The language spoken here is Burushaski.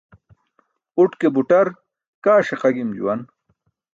Uṭ ke buṭar kaa ṣiqa gim juwan.